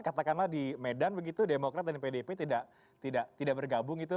katakanlah di medan begitu demokrat dan pdp tidak bergabung itu